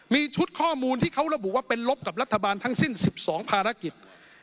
มีชุดข้อมูลที่เขาระบุว่าเป็นลบกับรัฐบาลทั้งสิ้น๑๒ภารกิจ